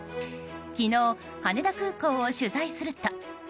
昨日、羽田空港を取材すると。